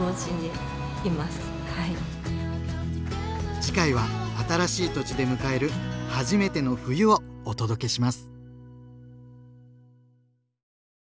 次回は新しい土地で迎える初めての冬をお届けします。